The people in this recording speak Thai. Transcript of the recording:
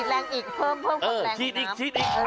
แล้วอีกเพิ่งอะไรล่ะ